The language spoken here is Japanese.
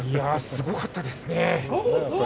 すごかったですね。